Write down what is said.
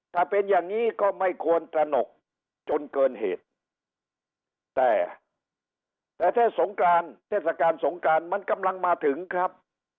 ถ้าเป็นอย่างนี้ก็ไม่ควรตระหนกจนเกินเหตุแต่แต่เทศสงกรานเทศกาลสงกรานมันกำลังมาถึงครับ